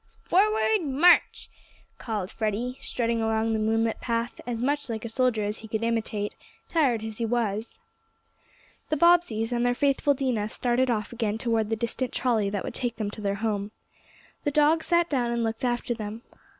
"Forward march!" called Freddie, strutting along the moonlit path as much like a soldier as he could imitate, tired as he was. The Bobbseys and their faithful Dinah started off again toward the distant trolley that would take them to their home. The dog sat down and looked after them.